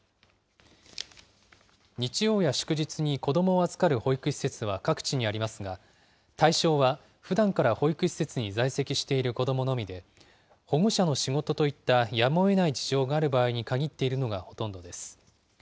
日曜や祝日に子どもを預かる保育施設は各地にありますが、対象はふだんから保育施設に在籍している子どものみで、保護者の仕事といったやむをえない事情がある場合に限っているのがほとんどです。